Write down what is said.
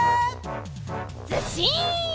ずっしん！